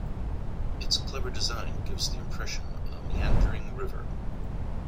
Its clever design gives the impression of a meandering river.